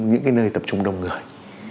những cái nơi tập trung đông người